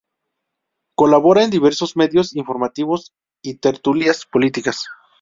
Colabora en diversos medios informativos y tertulias políticas.